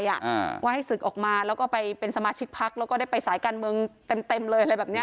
อ่าว่าให้ศึกออกมาแล้วก็ไปเป็นสมาชิกพักแล้วก็ได้ไปสายการเมืองเต็มเต็มเลยอะไรแบบเนี้ย